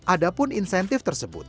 ada pun insentif tersebut